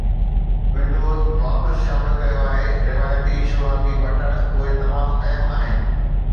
windows واپس شامل ڪيو آهي روايتي شروعاتي بٽڻ اهي تمام اهم آهن